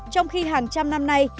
trong khi hàng trăm năm nay